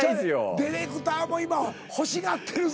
ディレクターも今欲しがってるぞ。